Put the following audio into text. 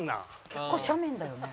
「結構斜面だよね」